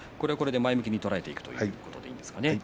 前向きに捉えていくということでいいんですね。